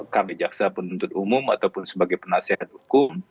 kami jaksa penuntut umum ataupun sebagai penasihat hukum